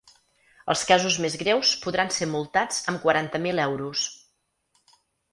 Els casos més greus podran ser multats amb quaranta mil euros.